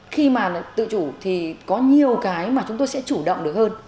khi mà tự chủ thì có nhiều cái mà chúng tôi sẽ chủ động được hơn